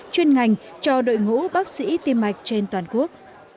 chuyên ngành cho đội ngũ bác sĩ tiêm mạch trên toàn quốc